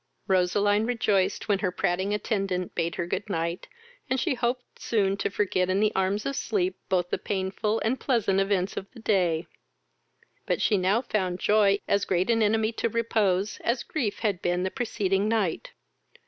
Roseline rejoiced when her prating attendant bade her good night, and she hoped soon to forget in the arms of sleep both the painful and pleasant events of the day; but she now found joy as great an enemy to repose as grief had been the preceding night.